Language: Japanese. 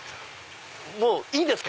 もういいですか？